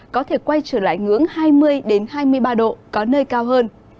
có thể quay trở lại ngưỡng hai mươi hai mươi ba độ có nơi cao hơn